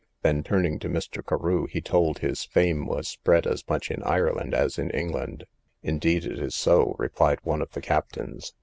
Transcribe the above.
Then turning to Mr. Carew, he told his fame was spread as much in Ireland as in England. Indeed it is so, replied one of the captains.